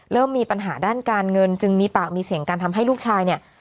เริ่มมีปัญหาด้านการเงินจึงมีปากมีเสียงการทำให้ลูกชายเนี่ย